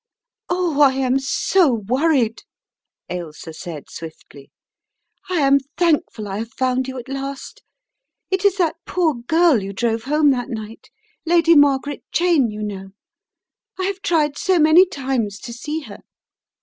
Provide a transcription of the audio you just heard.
"Oh, I am so worried!" Ailsa said swiftly. "I am thankful I have found you at last. It is that poor girl you drove home that night, Lady Margaret Cheyne, you know. I have tried so many times to see her.